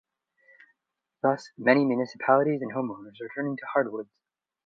Thus, many municipalities and homeowners are turning to hardwoods.